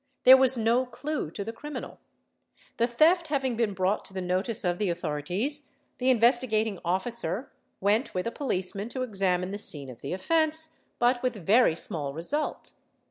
There was no clue to the criminal. The theft having been brought to the notice of the authorities, the Investigating Officer, went with a _ policeman to examine the scene of the offence; but with very small result.